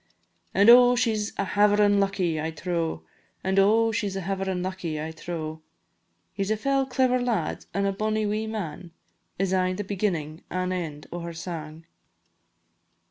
An' oh! she 's a haverin' lucky, I trow, An' oh! she 's a haverin' lucky, I trow; "He 's a fell clever lad, an' a bonny wee man," Is aye the beginnin' an' end o' her sang.